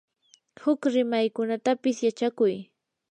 huk rimaykunatapis yachakuy.